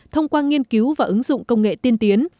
thông qua nghiên cứu và ứng dụng công nghệ tiên tiến